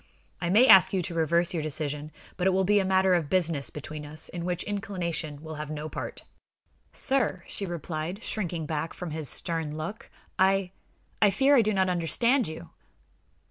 "I may ask you to reverse your decision, but it will be a matter of business between us, in which inclination will have no part." "Sir," she replied, shrinking back before his stern look, "I I fear I do not understand you!"